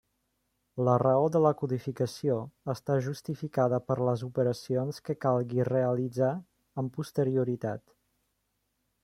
La raó de la codificació està justificada per les operacions que calgui realitzar amb posterioritat.